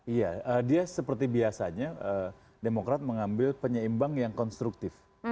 iya dia seperti biasanya demokrat mengambil penyeimbang yang konstruktif